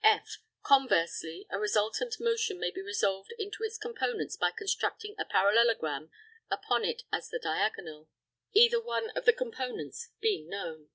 (f) Conversely, a resultant motion may be resolved into its components by constructing a parallelogram upon it as the diagonal, either one of the components being known.